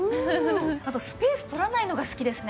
あとスペース取らないのが好きですね。